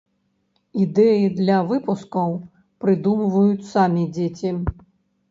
Ідэі для выпускаў прыдумваюць самі дзеці.